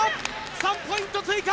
３ポイント追加。